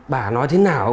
bà nói thế nào